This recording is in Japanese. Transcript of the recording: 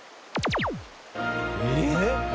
えっ！？